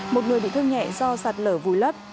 một người bị thương nhẹ do sạt lở vùi lấp